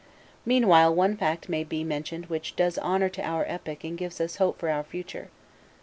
Meanwhile one fact may be mentioned which does honor to our epoch and gives us hope for our future.